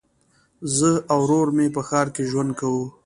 زه او ورور مي په ښار کي ژوند کوو.